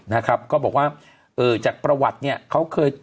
นะครับก็บอกว่าเอ่อจากประวัติเนี่ยเขาเคย